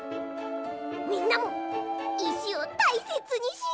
みんなもいしをたいせつにしようね。